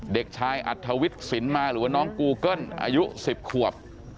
เด็กชายอัธวิทย์สินมาหรือว่าน้องกูเกิ้ลอายุ๑๐ขวบ